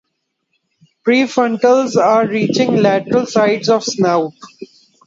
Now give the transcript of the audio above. Prefrontals are reaching lateral sides of snout.